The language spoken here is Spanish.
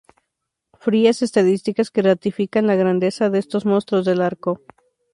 Frías estadísticas que ratifican la grandeza de estos monstruos del arco.